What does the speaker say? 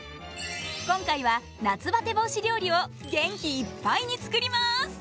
今回は夏バテ防止料理を元気いっぱいに作ります。